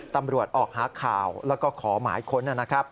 ตำรวจออกหาข่าวแล้วก็ขอหมายค้นนะครับ